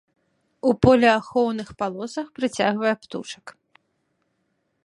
У полеахоўных палосах прыцягвае птушак.